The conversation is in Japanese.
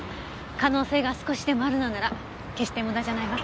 可能性が少しでもあるのなら決して無駄じゃないわ。